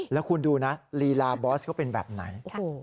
แล้วคุณดูนะลีลาบอสเขาเป็นแบบไหน